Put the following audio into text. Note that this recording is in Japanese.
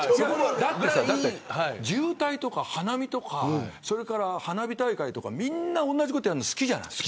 だってさ、渋滞とか花見とか花火大会とかみんな同じことをやるの好きじゃない。